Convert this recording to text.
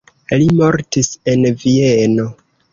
Li mortis en Vieno.